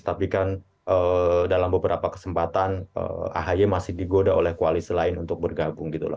tapi kan dalam beberapa kesempatan ahy masih digoda oleh koalisi lain untuk bergabung gitu loh